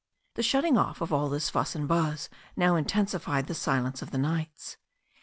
The shutting off of all this fuss and buzz now intensified the silence of the nights.